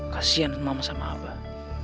kasihan mama sama abah